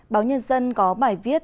báo nhân dân có bài viết